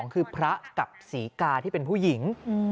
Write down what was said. คือพระกับศรีกาที่เป็นผู้หญิง